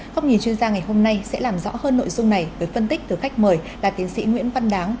góc nhìn chuyên gia ngày hôm nay sẽ làm rõ hơn nội dung này với phân tích từ khách mời là tiến sĩ nguyễn văn đáng